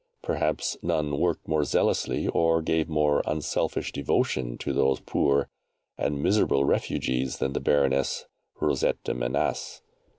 Perhaps none worked more zealously or gave more unselfish devotion to those poor and miserable refugees than the Baroness Rosette de Menasce.